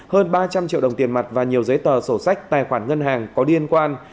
hơn ba trăm linh triệu đồng tiền mặt và nhiều giấy tờ sổ sách tài khoản ngân hàng có liên quan